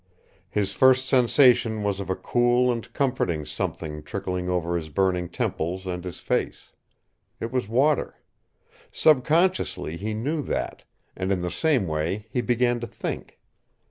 His first sensation was of a cool and comforting something trickling over his burning temples and his face. It was water. Subconsciously he knew that, and in the same way he began to think.